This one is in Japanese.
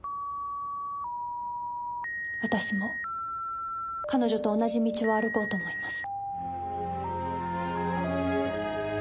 私も彼女と同じ道を歩こうと思います。